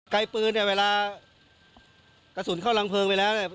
ไกลปืนเนี่ยเวลากระสุนเข้ารังเพลิงไปแล้วเนี่ย